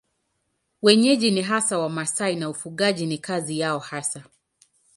Wenyeji ni hasa Wamasai na ufugaji ni kazi yao hasa.